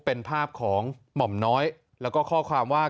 เป็นภาพของหม่อมน้อยแล้วก็ข้อความว่า